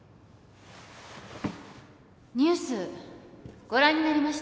ニュースご覧になりました？